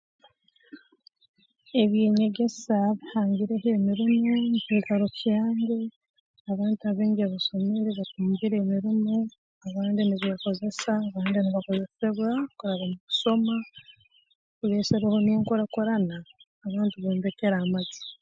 Eby'enyegesa bihangireho emirimo mu kiikaro kyange abantu abaingi abasomere batungire emirimo abandi nibeekozesa abandi nibakozesebwa kuraba mu kusoma bireesereho n'enkurakurana abantu bombekere amaju